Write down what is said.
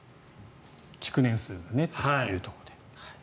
築年数がというところで。